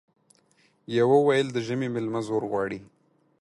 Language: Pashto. يوه ويل د ژمي ميلمه زور غواړي ،